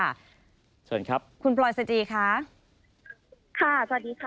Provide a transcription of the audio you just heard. เชิญครับคุณปลอยสจีริฐศิลป์ค่ะ